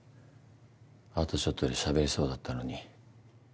あとちょっとでしゃべりそうだったのに。